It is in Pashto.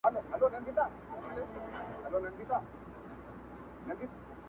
له بې هنرو ګوتو پورته سي بې سوره نغمې!!